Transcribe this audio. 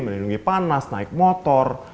melindungi panas naik motor